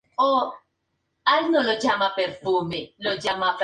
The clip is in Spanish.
Tolosa fue la capital del reino de los visigodos.